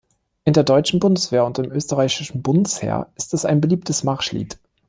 In der deutschen Bundeswehr und im österreichischen Bundesheer ist es ein beliebtes Marschlied.